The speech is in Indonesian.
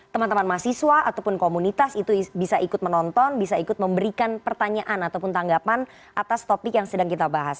teman teman mahasiswa ataupun komunitas itu bisa ikut menonton bisa ikut memberikan pertanyaan ataupun tanggapan atas topik yang sedang kita bahas